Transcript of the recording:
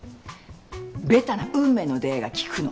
ベタな運命の出会いが効くの。